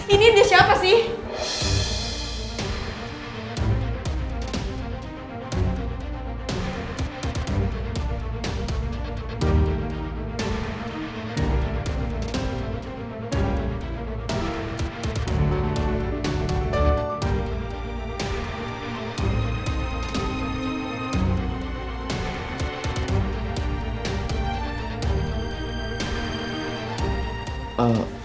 ini dia siapa sih